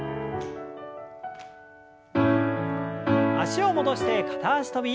脚を戻して片脚跳び。